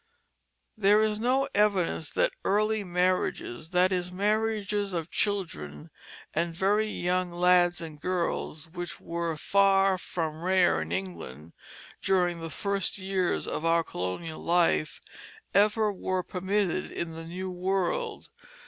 There is no evidence that the early marriages, that is, marriages of children and very young lads and girls, which were far from rare in England during the first years of our colonial life, ever were permitted in the new world.